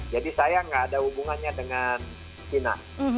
jadi saya gak ada hubungannya dengan china